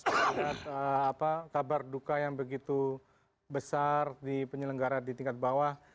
ada kabar duka yang begitu besar di penyelenggara di tingkat bawah